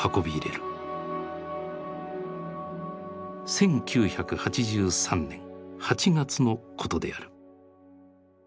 １９８３年８月のことである。